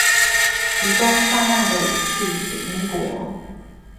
提供大量的武器給英國